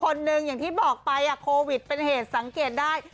คนหนึ่งอย่างที่บอกไปโควิดเป็นเหตุสังเกตได้